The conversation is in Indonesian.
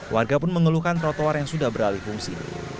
warga pun mengeluhkan trotoar yang sudah beralih fungsi